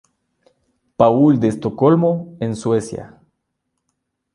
Paul de Estocolmo, en Suecia.